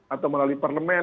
atau melalui parlemen